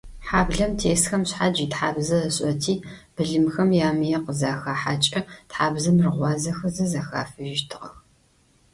Хьаблэм тесхэм шъхьадж итхьабзэ ышӏэти, былымхэм ямые къызахахьэкӏэ, тхьабзэм рыгъуазэхэзэ зэхафыжьыщтыгъэх.